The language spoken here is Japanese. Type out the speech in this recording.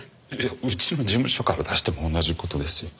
うちの事務所から出しても同じ事ですよ。